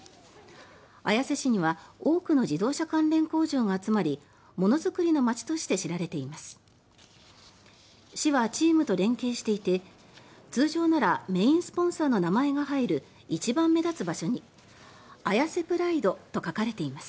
綾瀬市には多くの自動車関連工場が集まりものづくりの街として知られています。